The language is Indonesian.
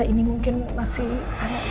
ini mungkin masih ada